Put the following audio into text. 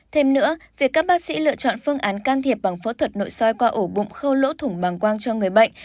thêm nữa việc các bác sĩ lựa chọn phương án can thiệp bằng phẫu thuật nội soi qua ổ bụng khâu lỗ thủng bàng quang cho người bệnh